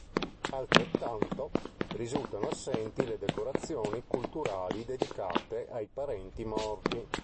Altrettanto, risultano assenti le decorazioni cultuali dedicate ai parenti morti.